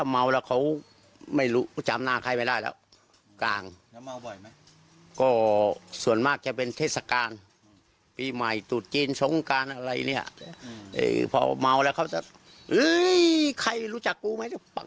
มันใส่บ้านใส่ช่องใครไหม